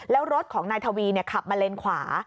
แล้วรถของนายทวีขับมาเลนขวา